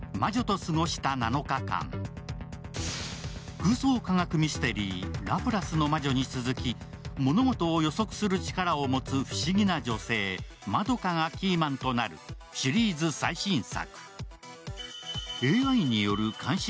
空想科学ミステリー「ラプラスの魔女」に続き物事を予測する力を持つ不思議な女性、円華がキーマンとなるシリーズ最新作。